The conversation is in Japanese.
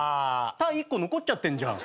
「た」１個残っちゃってんじゃん。